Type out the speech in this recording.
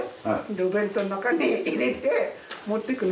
お弁当の中に入れて持ってくの。